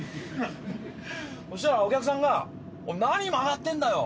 そしたらお客さんが「何曲がってんだよ」